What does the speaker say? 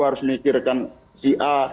harus mikirkan si a